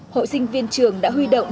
hội sinh viên trường đã huy động